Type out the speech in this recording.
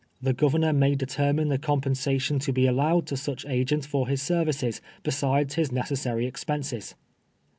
The Governor may determine the compensiition to be allowed to such agent for his services besides his necessary expenses.